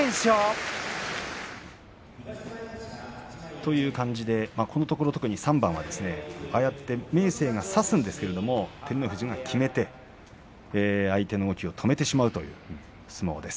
という感じでこのところ３番はああやって明生が差すんですけれども照ノ富士が相手の動きを止めてしまうという相撲です。